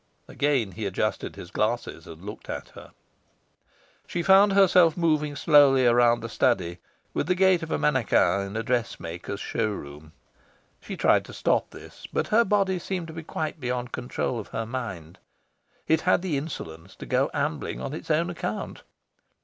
Again he adjusted his glasses, and looked at her. She found herself moving slowly around the study, with the gait of a mannequin in a dress maker's show room. She tried to stop this; but her body seemed to be quite beyond control of her mind. It had the insolence to go ambling on its own account.